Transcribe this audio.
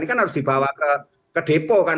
ini kan harus dibawa ke depo kan